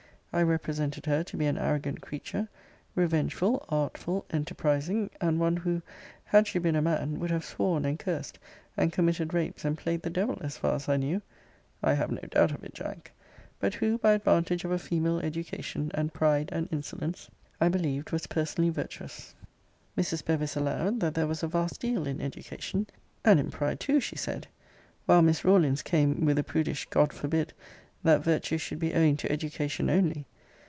I represented her to be an arrogant creature, revengeful, artful, enterprising, and one who, had she been a man, would have sworn and cursed, and committed rapes, and played the devil, as far as I knew: [I have no doubt of it, Jack!] but who, by advantage of a female education, and pride and insolence, I believed was personally virtuous. Mrs. Bevis allowed, that there was a vast deal in education and in pride too, she said. While Miss Rawlins came with a prudish God forbid that virtue should be owing to education only!